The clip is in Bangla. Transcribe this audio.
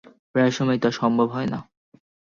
প্রায় সময়ই তা সম্ভব হয় না।